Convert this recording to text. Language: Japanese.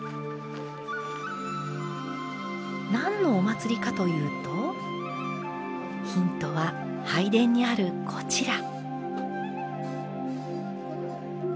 何のお祭りかというとヒントは拝殿にあるこちら。